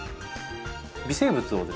微生物をですね